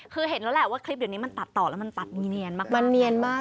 คือเห็นแล้วแหละว่าคลิปเดี๋ยวนี้มันตัดต่อแล้วมันตัดมีเนียนมากมันเนียนมาก